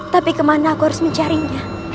tapi kemana aku harus mencarinya